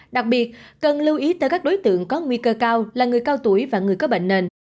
đặc biệt cần lưu ý tới các đối tượng có nguy cơ cao là người cao tuổi và người có bệnh nền